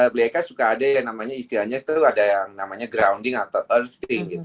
beli beli suka ada yang namanya grounding atau earthing